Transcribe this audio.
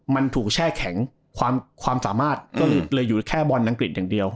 มันถูกแช่แข็งความสามารถก็เลยอยู่แค่บอลอังกฤษอย่างเดียว